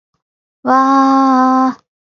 わああああ